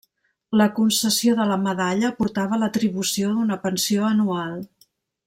La concessió de la medalla portava l'atribució d'una pensió anual.